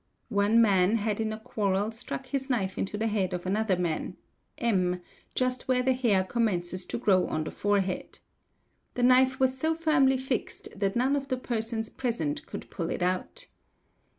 One ; man had in a quarrel struck his knife into the head of another man, M, just where the hair commences to grow on the forehead. The knife 1 was so firmly fixed that none of the persons present could pull it out.